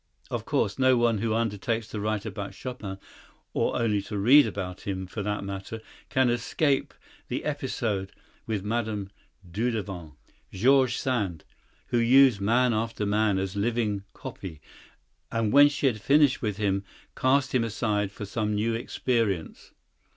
Of course no one who undertakes to write about Chopin (or only to read about him for that matter) can escape the episode with Mme. Dudevant,—George Sand,—who used man after man as living "copy," and when she had finished with him cast him aside for some new experience.